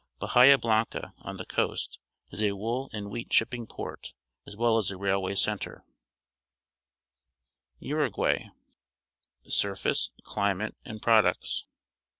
Bahia Blanca, on the coast, is a wool and wheat sliipping port, as well as a railway centre. URUGUAY Surface, Climate, and Products.